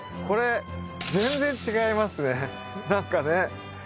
これ全然違いますねなんかね。